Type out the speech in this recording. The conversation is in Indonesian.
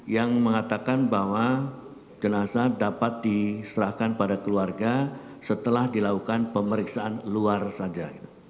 yang mengatakan bahwa jenazah dapat diserahkan pada keluarga setelah dilakukan pemeriksaan luar saja